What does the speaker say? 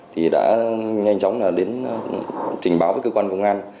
thì đã nhanh chóng đến trình báo với cơ quan công an